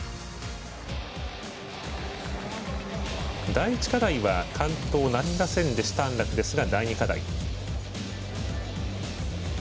第１課題は完登なりませんでした安楽ですが第２課題。